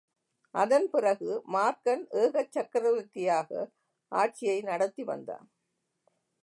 அதன் பிறகு மார்க்கன் ஏகச் சக்கரவர்த்தியாக ஆட்சியை நடத்திவந்தான்.